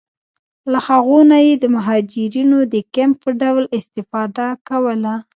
له هغو نه یې د مهاجرینو د کمپ په ډول استفاده کوله.